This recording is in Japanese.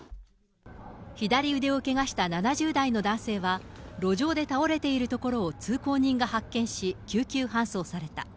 左腕をけがした７０代の男性は、路上で倒れているところを通行人が発見し、救急搬送された。